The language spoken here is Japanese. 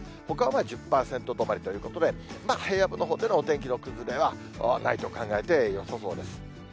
ほかは１０％止まりということで、平野部のほうでのお天気の崩れはないと考えてよさそうです。